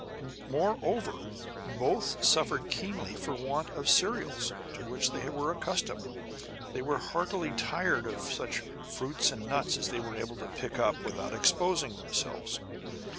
Moreover, both suffered keenly for want of cereals, to which they were accustomed; they were heartily tired of such fruits and nuts as they were able to pick up without exposing themselves.